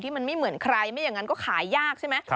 มันไม่เหมือนใครไม่อย่างนั้นก็ขายยากใช่ไหม